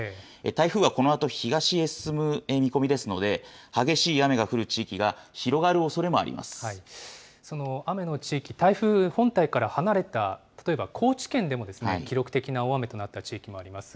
台風はこのあと、東へ進む見込みですので、激しい雨が降る地域がその雨の地域、台風本体から離れた、例えば高知県でも、記録的な大雨となった地域もあります。